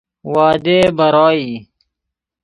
وعده برای